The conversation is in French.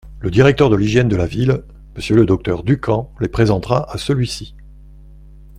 Le Directeur de l'hygiène de la Ville, Monsieur le docteur Ducamp les présentera à celui-ci.